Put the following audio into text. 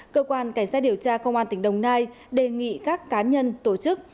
cơ quan cảnh sát điều tra công an tỉnh đồng nai đề nghị các cá nhân tổ chức